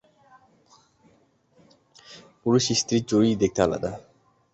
পুরুষ-স্ত্রী চড়ুই দেখতে আলাদা।